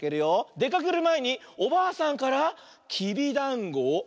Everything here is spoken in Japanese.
かけるまえにおばあさんからきびだんごを。